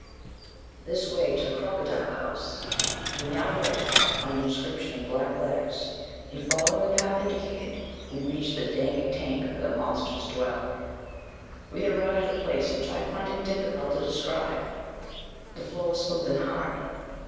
THIS WAY TO THE CROCODILE HOUSE we now read, on an inscription in black letters, and, following the path indicated, we reached the dank tank where the monsters dwell. We had arrived at a place which I find it difficult to describe. The floor was smooth and hard.